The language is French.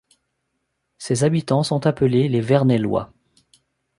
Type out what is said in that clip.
Ses habitants sont appelés les Vernellois.